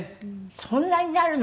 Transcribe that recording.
そんなになるの？